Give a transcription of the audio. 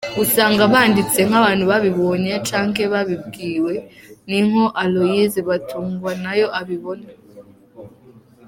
Usanga banditse nk'abantu babibonye canke babibwiwe », nikwo Aloys Batungwanayo abibona.